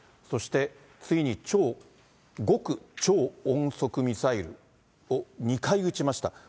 そして次に極超音速ミサイルを２回撃ちました。